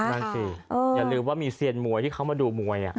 นั่นสิอย่าลืมว่ามีเซียนมวยที่เขามาดูมวย